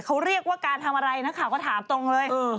เขาเรียกว่าการทำอะไรนักข่าวก็ถามตรงเลย